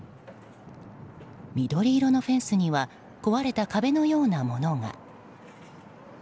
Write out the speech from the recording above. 緑色のフェンスには壊れた壁のようなものが。